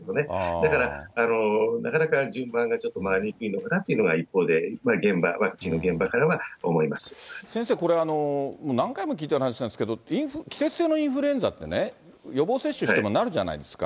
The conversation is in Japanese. だからなかなか順番が回りにくいのかなと一方で、現場、先生、これ、何回も聞いている話なんですけど、季節性のインフルエンザってね、予防接種してもなるじゃないですか。